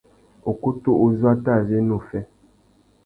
Ukutu uzu a tà zu ena uffê.